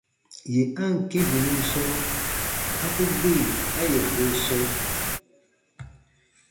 Yè a ǹ kĩ bù nun sɔ̃, a ku gbi a yè goo sɔ̃.